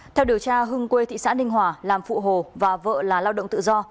theo điều tra hưng quê thị xã ninh hòa làm phụ hồ và vợ là lao động tự do